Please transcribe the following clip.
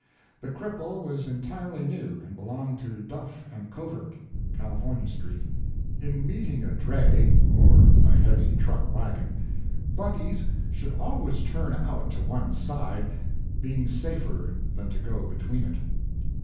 The cripple was entirely new, and belonged to Duff and Covert, California street. In meeting a dray, or a heavy truck wagon, buggies should always turn out to one side, being safer than to go between it.